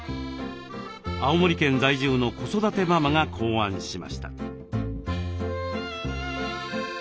青森県在住の子育てママが考案しました。